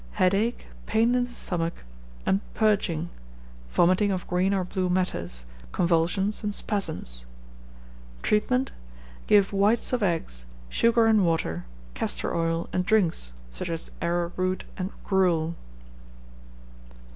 Headache, pain in the stomach, and purging; vomiting of green or blue matters, convulsions, and spasms. Treatment. Give whites of eggs, sugar and water, castor oil, and drinks, such as arrowroot and gruel.